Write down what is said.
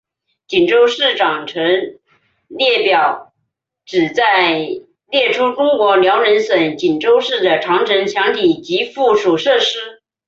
锦州市长城列表旨在列出中国辽宁省锦州市的长城墙体及附属设施。